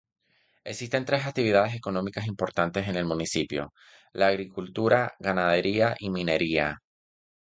Existen tres actividades económicas importantes en el municipio: la agricultura, ganadería y minería.